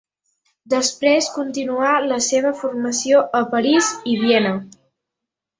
Després continuà la seva formació a París i Viena.